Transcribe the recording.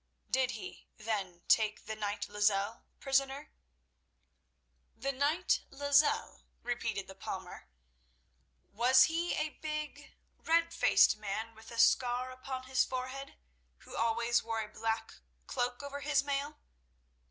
"Did he, then, take the knight Lozelle prisoner?" "The knight Lozelle?" repeated the palmer. "Was he a big, red faced man, with a scar upon his forehead, who always wore a black cloak over his mail?"